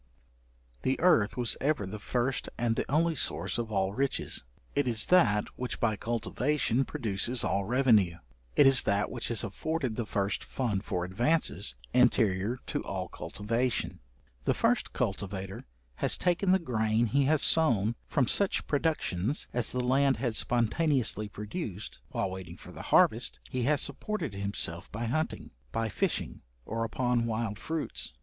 The earth was ever the first and the only source of all riches: it is that which by cultivation produces all revenue; it is that which has afforded the first fund for advances, anterior to all cultivation. The first cultivator has taken the grain he has sown from such productions as the land had spontaneously produced; while waiting for the harvest, he has supported himself by hunting, by fishing, or upon wild fruits.